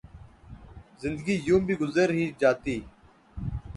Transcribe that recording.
زندگی یوں بھی گزر ہی جاتی